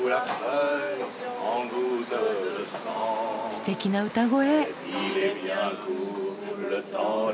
すてきな歌声。